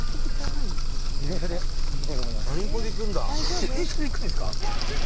自転車で行くんですか？